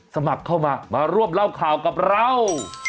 สมัครเข้ามามาร่วมเล่าข่าวกับเรา